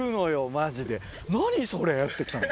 マジで「何それ」って来た。